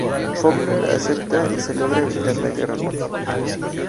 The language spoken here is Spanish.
Fowler acepta y se logra evitar la guerra nuclear.